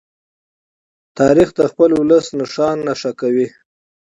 تاریخ د خپل ولس نښان نښه کوي.